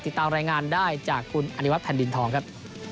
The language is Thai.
ติดตามรายงานได้จากคุณอนิวัตแผ่นดินทองครับ